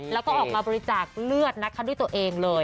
แล้วก็ออกมาบริจาคเลือดนะคะด้วยตัวเองเลย